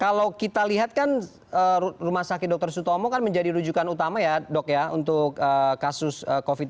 kalau kita lihat kan rumah sakit dr sutomo kan menjadi rujukan utama ya dok ya untuk kasus covid sembilan belas